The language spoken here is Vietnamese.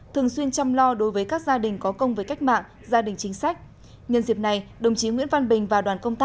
thường xuyên chăm lo đối với các gia đình có công với cách mạng gia đình chính sách